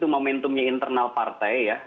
momentumnya internal partai ya